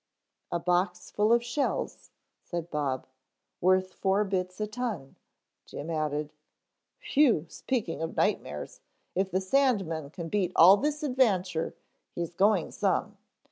"A box full of shells " said Bob. "Worth four bits a ton," Jim added. "Whew, speaking of nightmares, if the sandman can beat all this adventure he's going some.